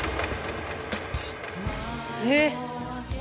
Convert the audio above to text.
えっ！